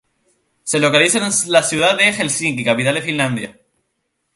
Se localiza en la ciudad de Helsinki, capital de Finlandia.